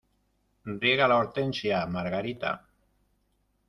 Riega la hortensia, Margarita.